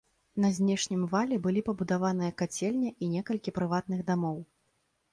На знешнім вале былі пабудаваныя кацельня і некалькі прыватных дамоў.